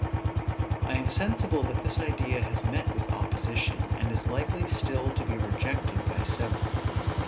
I am sensible that this idea has met with opposition, and is likely still to be rejected by several.